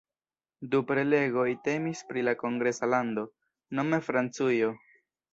Du prelegoj temis pri la kongresa lando, nome Francujo.